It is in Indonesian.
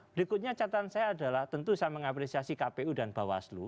berikutnya catatan saya adalah tentu saya mengapresiasi kpu dan bawaslu